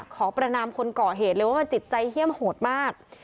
ขอบรรนามคนก่อเหตุเลยว่ามันจดใจเฮียมห่วดมาก